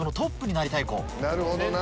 なるほどな。